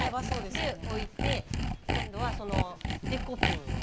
で置いて今度はデコピンを全体に。